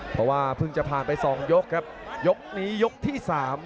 เพราะว่าเพิ่งจะผ่านไป๒ยกครับยกนี้ยกที่สาม